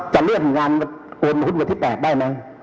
จะเริ่มงานโอนหุ้นวันที่๘ได้ไหม